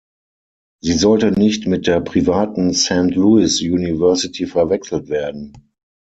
Sie sollte nicht mit der privaten Saint Louis University verwechselt werden.